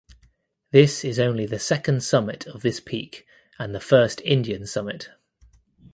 This is only the second summit of this peak and first Indian summit.